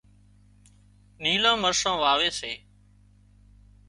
نيلان مرسان واوي سي